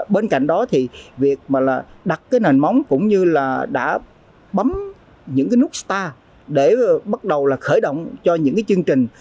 bên cạnh đó việc đặt nền móng cũng như đã bấm những nút star để bắt đầu khởi động cho những chương trình